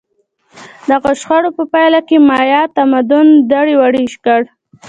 دغو شخړو په پایله کې مایا تمدن دړې وړې کړ.